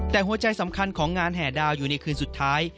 แต่หัวใจสำคัญของงานแห่ดาวอยู่ในคืนสุดท้าย